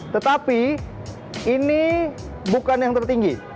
tetapi ini bukan yang tertinggi